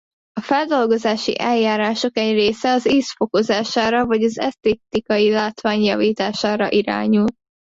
A feldolgozási eljárások egy része az íz fokozására vagy az esztétikai látvány javítására irányul.